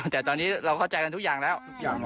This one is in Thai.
แต่ตอนนี้เราเข้าใจกันทุกอย่างแล้ว